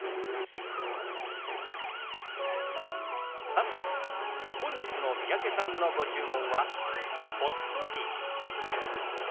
さて本日の三宅さんのご注文はホットティー。